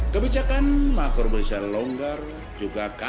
kebijakan makro brisel longgar juga terkait